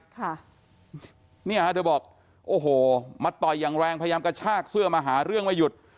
ค่ะเนี่ยฮะเธอบอกโอ้โหมาต่อยอย่างแรงพยายามกระชากเสื้อมาหาเรื่องไม่หยุด